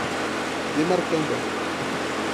demarcanda